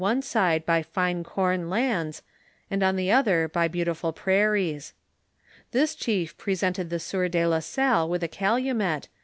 ie side by fine corn lands, and on the other by beautifil prnnos. This chief presented the sieur de la Salle with u >;alumet.